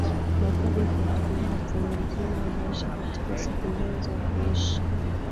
Na kuja kuharibu mfumo mzima wa maisha katika siku zao za kuishi